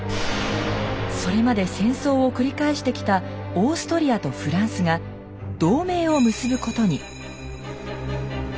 それまで戦争を繰り返してきたオーストリアとフランスが同盟を結ぶことに。